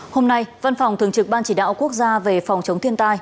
hôm nay văn phòng thường trực ban chỉ đạo quốc gia về phòng chống thiên tai